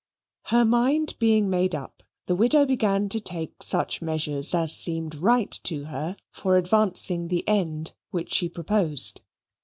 Her mind being made up, the widow began to take such measures as seemed right to her for advancing the end which she proposed.